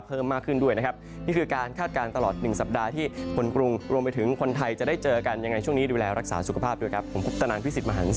โปรดติดตามตอนต่อไป